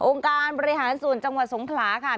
การบริหารส่วนจังหวัดสงขลาค่ะ